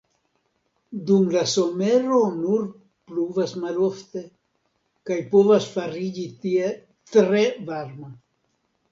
Dum la somero nur pluvas malofte kaj povas fariĝi tie tre varma.